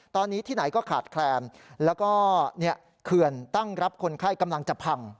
ตอนนี้ที่ไหนก็ขาดแคลนแล้วก็เขื่อนตั้งรับคนไข้กำลังจะพัง